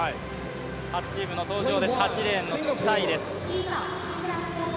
８チームの登場です、８レーンのタイです。